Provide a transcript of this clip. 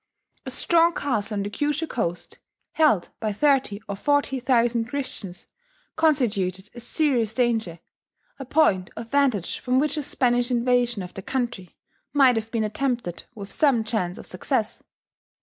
A strong castle on the Kyushu coast, held by thirty or forty thousand Christians, constituted a serious danger, a point of vantage from which a Spanish invasion of the country might have been attempted with some chance of success.